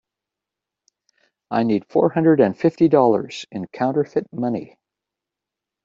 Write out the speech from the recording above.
I need four hundred and fifty dollars in counterfeit money.